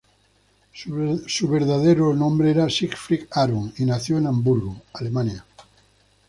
Su verdadero nombre era Siegfried Aron, y nació en Hamburgo, Alemania.